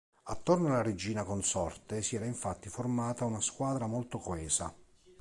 Attorno alla regina consorte si era infatti formata una squadra molto coesa.